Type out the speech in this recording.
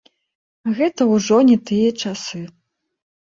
Гэта ўжо не тыя часы.